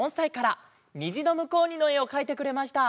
「にじのむこうに」のえをかいてくれました。